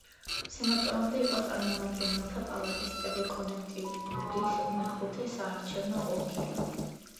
სენატორობამდე, იყო წარმომადგენელთა პალატის წევრი კონექტიკუტის მეხუთე საარჩევნო ოლქიდან.